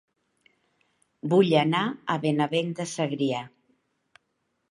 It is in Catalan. Vull anar a Benavent de Segrià